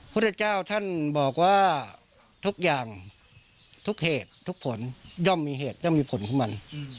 พุทธเจ้าท่านบอกว่าทุกอย่างทุกเหตุทุกผลย่อมมีเหตุย่อมมีผลของมัน